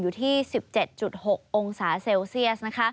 อยู่ที่๑๗๖องศาเซลเซียส